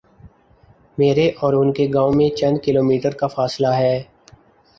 میرے اور ان کے گاؤں میں چند کلو میٹرکا فاصلہ ہے۔